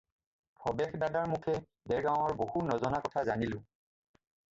ভবেশ দাদাৰ মুখে দেৰগাঁৱৰ বহু নজনা জানিলোঁ।